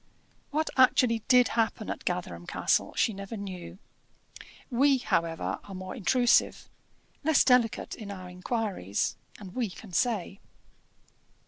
What actually did happen at Gatherum Castle, she never knew. We, however, are more intrusive, less delicate in our inquiries, and we can say.